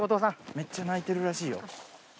めっちゃ鳴いてるらしいよ。